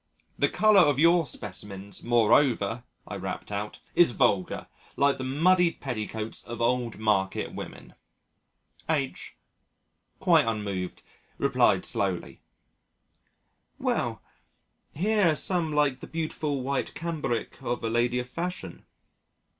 The colour of your specimens, moreover," I rapped out, "is vulgar like the muddied petticoats of old market women." H , quite unmoved, replied slowly, "Well, here are some like the beautiful white cambric of a lady of fashion.